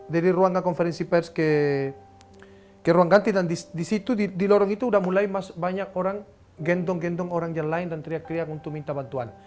dari ruangan konferensi pers ke ruang ganti dan di situ di lorong itu sudah mulai banyak orang gendong gendong orang yang lain dan teriak teriak untuk minta bantuan